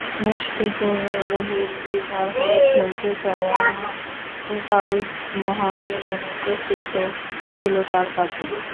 মুশফিকুর রহিম নির্ভার হয়ে খেলতে চাওয়ায় কাল মোহামেডানের নেতৃত্বও ছিল তাঁর কাঁধে।